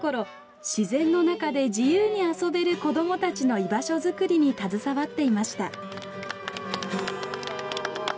自然の中で自由に遊べる子どもたちの居場所づくりに携わっていました。